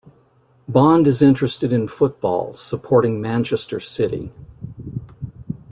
Bond is interested in football, supporting Manchester City.